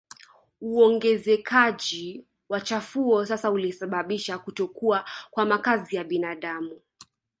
Uongezekaji wa chafuo sasa ulisababisha kutokuwa kwa makazi ya binadamu